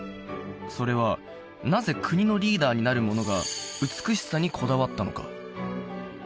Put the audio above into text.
それはなぜ国のリーダーになる者が美しさにこだわったのか？